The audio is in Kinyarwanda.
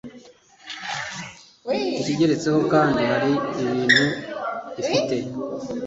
ikigeretseho kandi, hari ibintu ifite